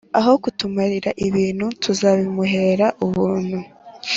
aho kutumarira ibintu tuzbimuhera ubuntu